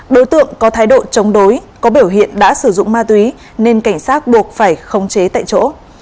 đối tượng có thái độ chống đối có biểu hiện đã sử dụng ma túy nên cảnh sát buộc phải khống chế tại chỗ